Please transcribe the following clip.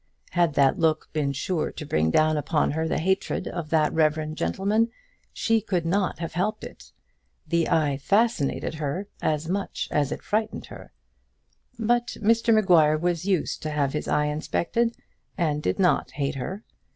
Had that look been sure to bring down upon her the hatred of that reverend gentleman, she could not have helped it. The eye fascinated her, as much as it frightened her. But Mr Maguire was used to have his eye inspected, and did not hate her.